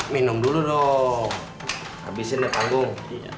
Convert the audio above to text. minum dulu dong habisin ke panggung